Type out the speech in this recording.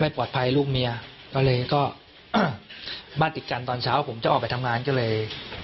ปลอดภัยลูกเมียก็เลยก็อ้าวบ้านติดกันตอนเช้าผมจะออกไปทำงานก็เลย